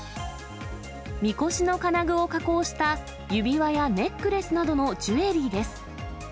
みこしの金具を加工した指輪やネックレスなどのジュエリーです。